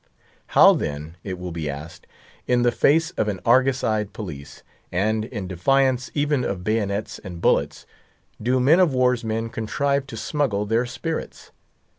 How then, it will be asked, in the face of an argus eyed police, and in defiance even of bayonets and bullets, do men of war's men contrive to smuggle their spirits?